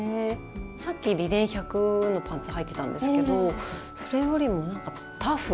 さっきリネン１００のパンツはいてたんですけどそれよりもなんかタフ？